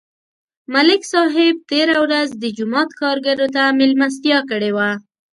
ملک صاحب تېره ورځ د جومات کارګرو ته مېلمستیا کړې وه